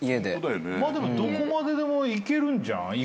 でもどこまででも行けるんじゃん？